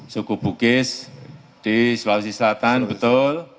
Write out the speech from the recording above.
suku bugis di sulawesi selatan betul